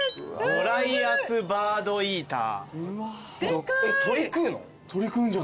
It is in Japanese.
ゴライアスバードイーター。